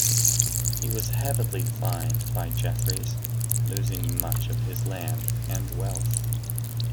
He was heavily fined by Jeffreys, losing much of his land and wealth.